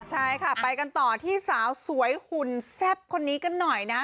ใช่ค่ะไปกันต่อที่สาวสวยหุ่นแซ่บคนนี้กันหน่อยนะ